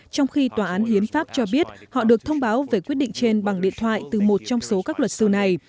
trong khi tòa án hiến pháp cho biết họ được thông báo về quyết định trên bằng điện thoại từ một trong số các luật sư này